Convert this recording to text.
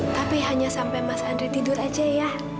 tapi hanya sampai mas andri tidur aja ya